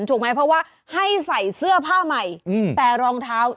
ถูกไหมเพราะว่าให้ใส่เสื้อผ้าใหม่แต่รองเท้า